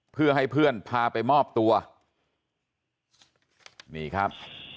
เพื่อให้เพื่อนพาไปมอบตัวนี่ครับ